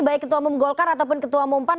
baik ketua umum golkar ataupun ketua umum pan